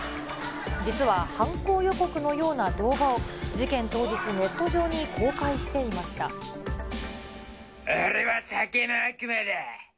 実は犯行予告のような動画を、事件当日、ネット上に公開してい俺は酒の悪魔だ。